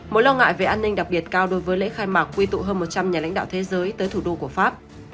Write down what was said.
mối lo ngại về an ninh đặc biệt cao đối với lễ khai mạc quy tụ hơn một trăm linh nhà lãnh đạo thế giới tới thủ đô của pháp